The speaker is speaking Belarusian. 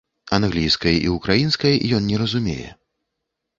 Англійскай і ўкраінскай ён не разумее.